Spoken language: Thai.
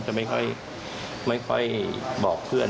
จะไม่ค่อยบอกเพื่อน